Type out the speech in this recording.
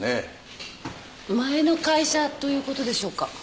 前の会社ということでしょうか。